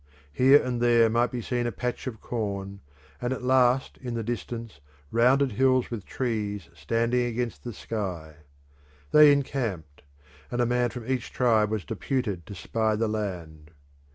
Here and there might be seen a patch of corn, and at last in the distance rounded hills with trees standing against the sky. They encamped, and a man from each tribe was deputed to spy the land.